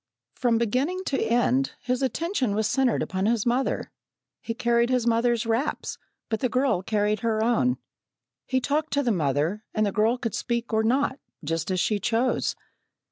From beginning to end, his attention was centred upon his mother. He carried his mother's wraps, but the girl carried her own. He talked to the mother, and the girl could speak or not, just as she chose.